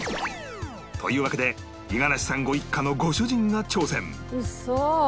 というわけで五十嵐さんご一家のご主人が挑戦ウソ！